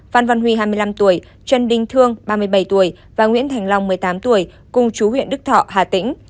văn văn huy hai mươi năm tuổi trân đinh thương ba mươi bảy tuổi và nguyễn thành long một mươi tám tuổi cung chú huyện đức thọ hà tĩnh